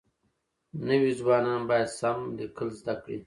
نوي ځوانان بايد سم ليکل زده کړي.